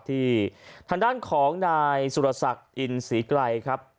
ที่ทางด้านของนายสุรสักอินศรีไกร